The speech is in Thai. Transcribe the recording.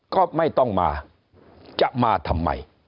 ก็ไม่ต้องมาจะมาทำไม